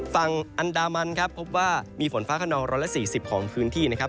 ฝั่งอันดามันครับพบว่ามีฝนฟ้าขนอง๑๔๐ของพื้นที่นะครับ